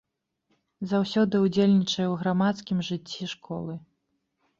Заўсёды ўдзельнічае ў грамадскім жыцці школы.